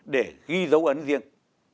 để ghi dấu ấn riêng